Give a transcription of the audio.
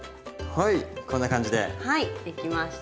はいできました。